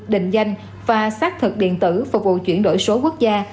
định danh và xác thực điện tử phục vụ chuyển đổi số quốc gia